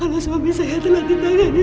kalau suami saya telah ditangani